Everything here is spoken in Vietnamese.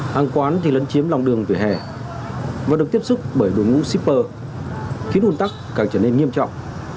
hàng quán thì lẫn chiếm lòng đường tuổi hè và được tiếp xúc bởi đồ ngũ shipper khiến ồn tắc càng trở nên nghiêm trọng